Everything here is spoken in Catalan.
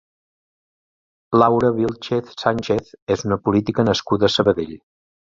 Laura Vílchez Sánchez és una política nascuda a Sabadell.